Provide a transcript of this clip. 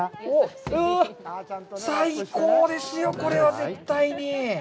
うわあ、最高ですよ、これは絶対に。